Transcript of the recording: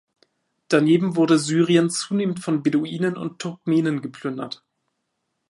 Daneben wurde Syrien zunehmend von Beduinen und Turkmenen geplündert.